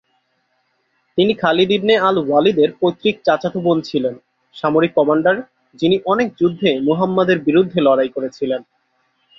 তিনি Khalid ibn al ওয়ালিদের পৈতৃক চাচাতো বোন ছিলেন, সামরিক কমান্ডার যিনি অনেক যুদ্ধে মুহাম্মাদের বিরুদ্ধে লড়াই করেছিলেন।